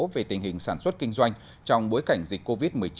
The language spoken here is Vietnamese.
về tình hình sản xuất kinh doanh trong bối cảnh dịch covid một mươi chín